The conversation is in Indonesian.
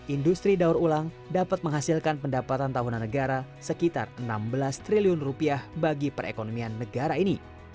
industri daur ulang dapat menghasilkan pendapatan tahunan negara sekitar enam belas triliun rupiah bagi perusahaan